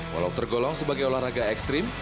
walau tergolong sebagai olahraga ekstrim